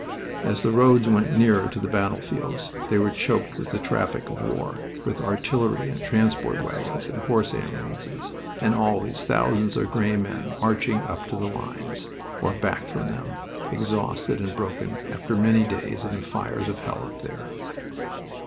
As the roads went nearer to the battlefields they were choked with the traffic of war, with artillery and transport wagons and horse ambulances, and always thousands of gray men marching up to the lines, or back from them, exhausted and broken after many days in the fires of hell up there.